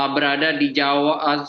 berantakan untuk membangun politik asosiatif